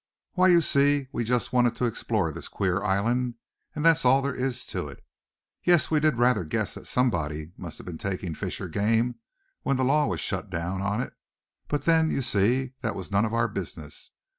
"Why, you see, we just wanted to explore this queer island, and that's all there is to it. Yes, we did rather guess that somebody must have been taking fish or game when the law was shut down on it; but then, you see, that was none of our business.